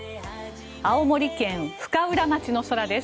青森県深浦町の空です。